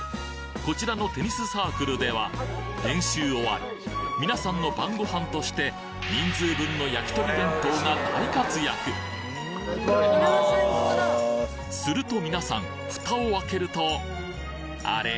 こちらのテニスサークルでは練習終わりみなさんの晩ご飯として人数分のやきとり弁当が大活躍するとみなさんフタを開けるとあれ？